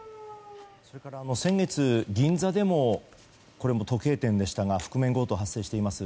先月、銀座でもこれも時計店でしたが覆面強盗が発生しています。